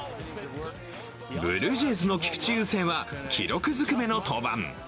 ブルージェイズの菊池雄星は記録ずくめの登板。